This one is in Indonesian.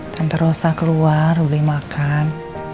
tante rosa keluar boleh makan